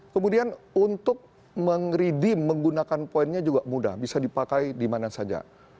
kemudian untuk meng redeem menggunakan poinnya juga mudah bisa dipakai dimana saja